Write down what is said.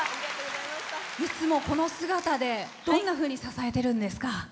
いつも、この姿でどんなふうに支えてるんですか？